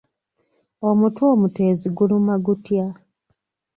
Omutwe omuteezi guluma gutya?